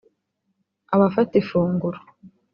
abafata ifunguro